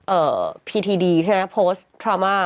เอ่อพีทีดีใช่ไหมโพสต์ทราวม่า